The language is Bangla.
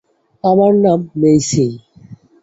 আমার নাম মেইসি।